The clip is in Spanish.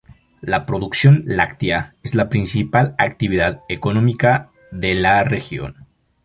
La producción láctea es la principal actividad económica de las región.